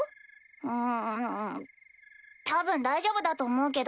うん多分大丈夫だと思うけど。